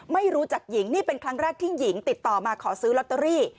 ไม่รู้จักหญิงนี่เป็นครั้งแรกที่หญิงติดต่อมาขอซื้อลอตเตอรี่